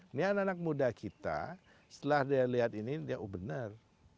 ini anak anak muda kita setelah dia lihat ini dia oh benar